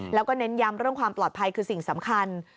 แล้วก็เน้นย้ำเรื่องความปลอดภัยคือสิ่งสำคัญ